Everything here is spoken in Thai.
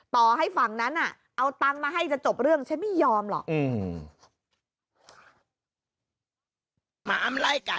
ต่อให้ฝั่งนั้นเอาตังค์มาให้จะจบเรื่องฉันไม่ยอมหรอก